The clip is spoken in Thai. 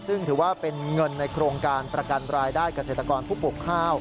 ซึ่งถือว่าเป็นเงินในโครงการประกันรายได้เกษตรกรผู้ปลูกข้าว